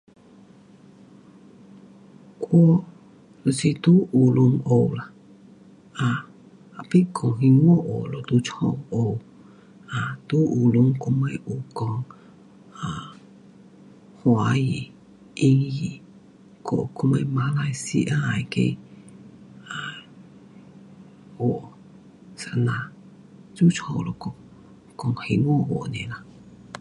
我就是在学堂学啦，啊，tapi 讲兴华话就在家学，啊，在学堂我们没讲。啊，华语，英语，我，我们马来西亚那个啊话，是这样，在家就讲，讲兴华话尔。